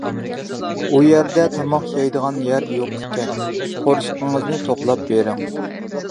ئۇ يەردە تاماق يەيدىغان يەر يوق ئىكەن، قورسىقىڭىزنى توقلاپ بېرىڭ.